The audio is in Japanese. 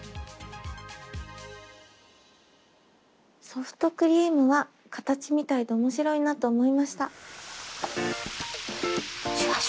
ソフトクリームは形みたいで面白いなと思いました。